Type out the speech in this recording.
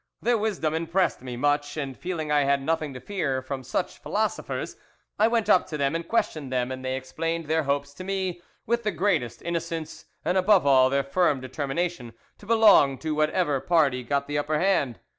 Their wisdom impressed me much, and feeling I had nothing to fear from such philosophers, I went up to them and questioned them, and they explained their hopes to me with the greatest innocence, and above all, their firm determination to belong to what ever party got the upper hand.